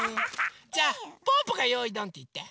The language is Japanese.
じゃあぽぅぽが「よいどん！」っていって。